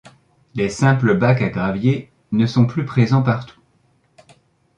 Les simples bacs à gravier ne sont plus présents partout.